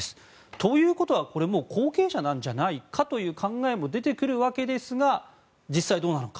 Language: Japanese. ということは、これはもう後継者なんじゃないかという考えも出てくるわけですが実際はどうなのか。